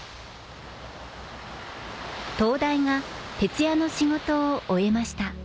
灯台が徹夜の仕事を終えました。